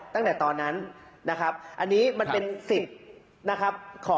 ตั้งแต่ตอนนั้นนะครับอันนี้มันเป็นสิทธิ์นะครับ